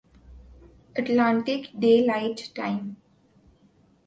Atlantic daylight time